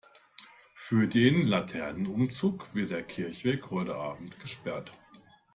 Für den Laternenumzug wird der Kirchweg heute Abend gesperrt.